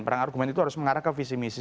perang argumen itu harus mengarah ke visi misi